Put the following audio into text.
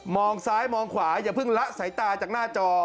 ซ้ายมองขวาอย่าเพิ่งละสายตาจากหน้าจอ